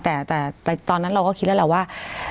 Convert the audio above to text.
แต่ตอนนั้นเราก็คิดแล้วแหละว่า